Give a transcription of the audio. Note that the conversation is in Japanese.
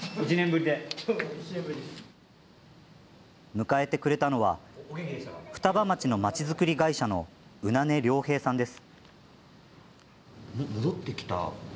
迎えてくれたのは双葉町の町づくり会社の宇名根良平さんです。